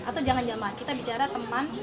atau jangan jamaah kita bicara teman